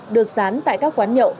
được sán tại các quán nhậu